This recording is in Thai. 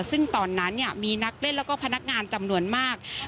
ซึ่งตอนนั้นมีนักเล่นแล้วก็พนักงานจำนวนมาก